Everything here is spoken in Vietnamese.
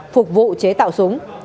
phục vụ chế tạo súng